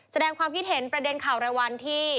แสดงความคิดเห็นประเด็นข่าวรายวันที่